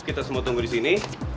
kita semua tunggu di sini